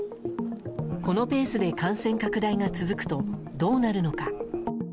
このペースで感染拡大が続くとどうなるのか。